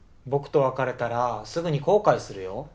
僕と別れたらすぐに後悔するよ。